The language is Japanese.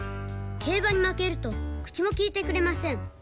「競馬に負けると口もきいてくれません」